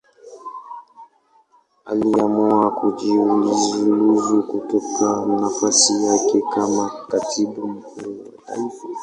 Aliamua kujiuzulu kutoka nafasi yake kama Katibu Mkuu wa Taifa.